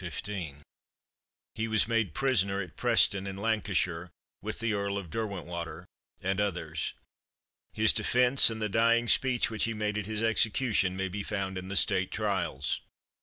He was made prisoner at Preston, in Lancashire, with the Earl of Derwentwater, and others. His defence, and the dying speech which he made at his execution, may be found in the State Trials.